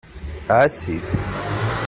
Ɛass-it.